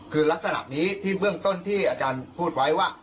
คือลักษณะนี้ที่เบื้องต้นที่อาจารย์พูดไว้ว่า